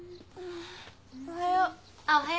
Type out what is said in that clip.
あおはよう。